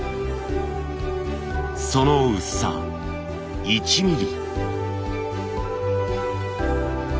その薄さ１ミリ。